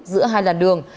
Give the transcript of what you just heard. giữa hai làn đường